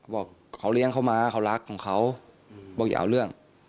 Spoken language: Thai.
บอกเขาเลี้ยงเขามาเขารักของเขาบอกอย่าเอาเรื่อง